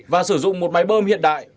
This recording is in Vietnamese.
và sử dụng một máy bơm hiện đại